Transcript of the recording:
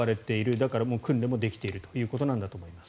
だから、訓練ももうできているということなんだと思います。